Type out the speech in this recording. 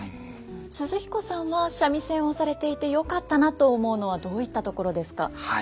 寿々彦さんは三味線をされていてよかったなと思うのはどういったところですか？